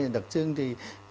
đặc trưng thì